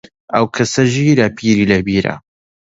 ئەو کەسە ژیرە، پیری لە بیرە